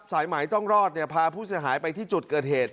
สายไหมต้องรอดเนี่ยพาผู้เสียหายไปที่จุดเกิดเหตุ